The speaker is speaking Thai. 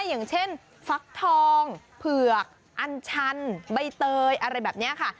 อย่างเช่นฟักทองเผือกอันชันใบเตยอะไรแบบนี้ค่ะ